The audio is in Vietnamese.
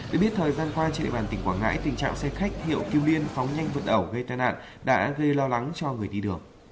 được biết thời gian qua trên địa bàn tỉnh quảng ngãi tình trạng xe khách hiệu cứu liên phóng nhanh vượt ẩu gây tai nạn đã gây lo lắng cho người đi đường